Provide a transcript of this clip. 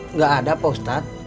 nggak ada pak ustadz